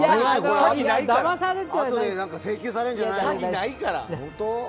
あとで請求されるんじゃないですか？